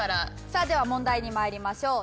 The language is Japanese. さあでは問題に参りましょう。